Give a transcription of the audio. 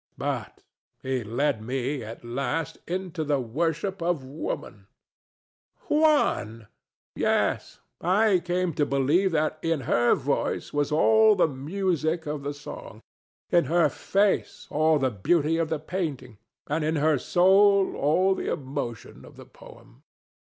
But he led me at last into the worship of Woman. ANA. Juan! DON JUAN. Yes: I came to believe that in her voice was all the music of the song, in her face all the beauty of the painting, and in her soul all the emotion of the poem.